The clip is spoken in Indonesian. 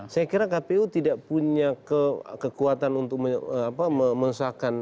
saya kira kpu tidak punya kekuatan untuk mengusahakan peraturan ini